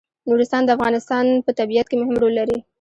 نورستان د افغانستان په طبیعت کې مهم رول لري.